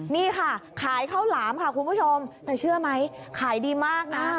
นี่ค่ะขายข้าวหลามค่ะคุณผู้ชมแต่เชื่อไหมขายดีมากนะ